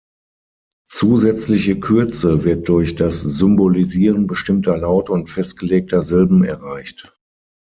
Zusätzliche Kürze wird durch das Symbolisieren bestimmter Laute und festgelegter Silben erreicht.